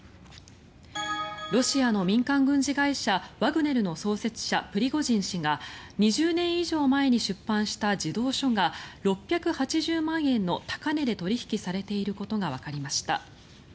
ロシアの民間軍事会社ワグネルの創設者、プリゴジン氏が２０年以上前に出版した児童書が６８０万円の高値で取引されていることがわかりました。